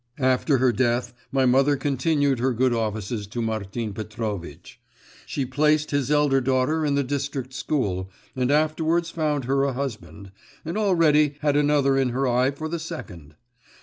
After her death, my mother continued her good offices to Martin Petrovitch. She placed his elder daughter in the district school, and afterwards found her a husband, and already had another in her eye for the second.